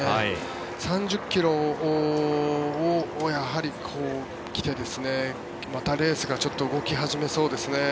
３０ｋｍを来てまたレースが少し動き始めそうですね。